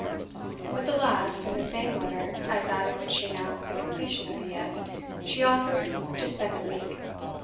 With the last, in the same letter as that in which she announced the completion of 'Villette,' she offered to spend a week.